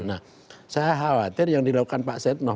nah saya khawatir yang dilakukan pak setno